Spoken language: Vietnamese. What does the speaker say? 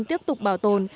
tiếp tục bảo tồn